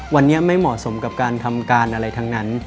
วันนี้ไม่เหมาะสมกับการทำการอะไรทั้งนั้น